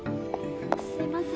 すみません。